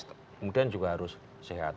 kemudian juga harus sehat